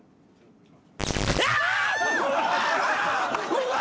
うわ！